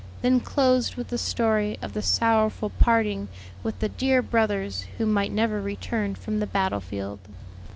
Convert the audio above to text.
then closed with the story of the sorrowful parting with the dear brothers who might never return from the battle field.